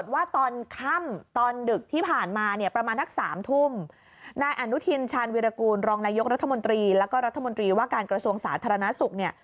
วิรากูลรองนายกรรธมนตรีแล้วก็รัฐมนตรีว่าการกระทรวงสาธารณสุข